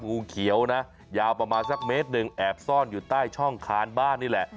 งูเขียวนะยาวประมาณสักเมตรหนึ่งแอบซ่อนอยู่ใต้ช่องคานบ้านนี่แหละ